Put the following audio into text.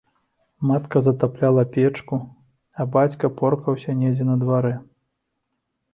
Матка затапляла печку, а бацька поркаўся недзе на дварэ.